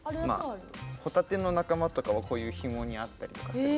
ホタテの仲間とかはこういうヒモにあったりとかする。